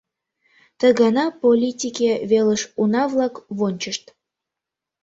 Ты гана политике велыш уна-влак вончышт.